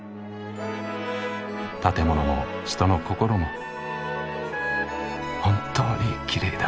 「建物」も「人の心」も本当にきれいだ。